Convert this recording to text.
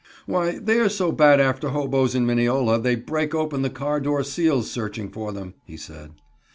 "Why, they are so bad after hobos in Mineola they break open the car door seals, searching for them," he said.